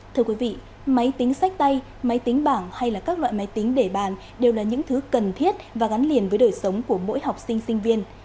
thưa quý vị máy tính sách tay máy tính bảng hay là các loại máy tính để bàn đều là những thứ cần thiết và gắn liền với đời sống của mỗi học sinh sinh viên